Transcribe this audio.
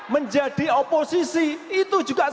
menjadi oposisi itu juga